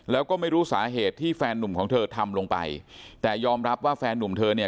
แล้วก็ไม่รู้สาเหตุที่แฟนหนุ่มของเธอทำลงไปแต่ยอมรับว่าแฟนนุ่มเธอเนี่ย